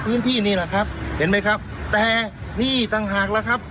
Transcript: นี่แหละครับเห็นไหมครับแต่นี่ต่างหากแล้วครับ